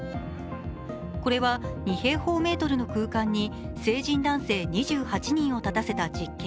これは２平方メートルの空間に成人男性２８人を立たせた実験。